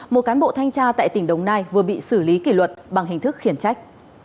một cán bộ thanh tra tại tỉnh đồng nai vừa bị xử lý kỷ luật bằng hình thức khiển trách